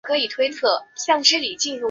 另外寺内还有北宋经幢一座。